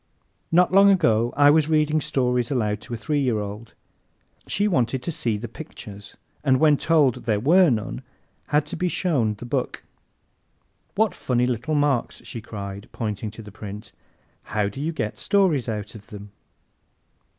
Not long ago I was reading stories aloud to a three year old. She wanted to "see the pictures," and when told there were none had to be shown the book. "What funny little marks!" she cried, pointing to the print. "How do you get stories out of them?"